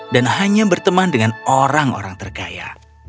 dan hanya berteman dengan orang orang terkaya